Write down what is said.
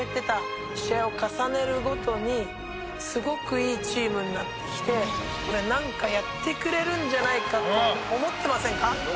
「試合を重ねるごとにすごくいいチームになってきてこれなんかやってくれるんじゃないかと思ってませんか？」